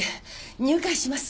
入会します！